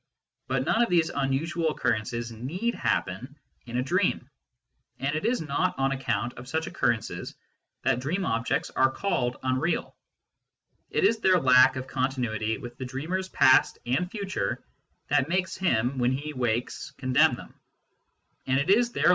But none of these unusual occurrences need happen in a dream, and it is not on account of such occurrences that dream objects are called " unreal." It is their lack ol continuity with the dreamer s past and future that makes him, when he wakes, condemn them ; and it is their lack 1 Cf. Edwin B.